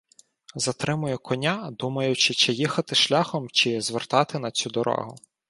Затримую коня, думаючи, чи їхати шляхом, чи звертати на цю дорогу.